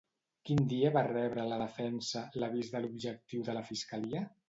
Quin dia va rebre la defensa l'avís de l'objectiu de la fiscalia?